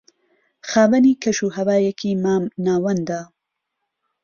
خاوەنی کەش و ھەوایەکی مام ناوەندە